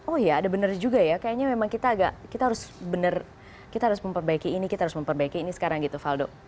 oke ini sekarang gitu faldo